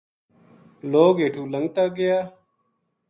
لوک ہیٹو لنگتا گیا